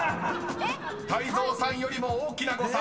［泰造さんよりも大きな誤差。